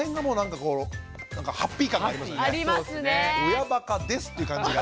親バカですっていう感じが。